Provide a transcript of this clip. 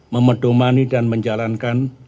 memedomani dan menjalankan